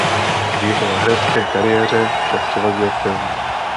V jeho herecké kariéře však převažuje film.